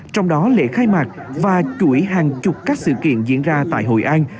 trong đó lễ khai mạc và chuỗi hàng chục các sự kiện diễn ra tại hội an